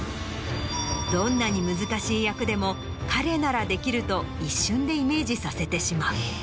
どんなに難しい役でも彼ならできると一瞬でイメージさせてしまう。